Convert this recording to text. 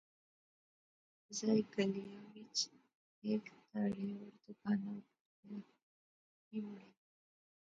قصائی گلیا وچ، ہیک تہاڑے او دکانا اپر گیا، نی مڑیا